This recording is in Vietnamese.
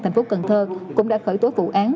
thành phố cần thơ cũng đã khởi tố vụ án